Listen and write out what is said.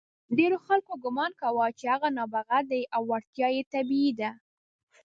ډېرو خلکو ګمان کاوه چې هغه نابغه دی او وړتیا یې طبیعي ده.